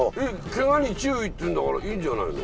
「ケガに注意」っていうんだからいいんじゃないの？